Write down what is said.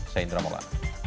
saya indra mola